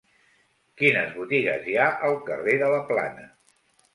Quines botigues hi ha al carrer de la Plana?